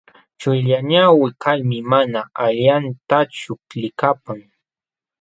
Chullañawi kalmi mana allintachu likapan.